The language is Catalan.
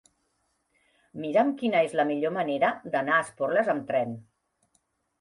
Mira'm quina és la millor manera d'anar a Esporles amb tren.